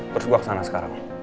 terus gue kesana sekarang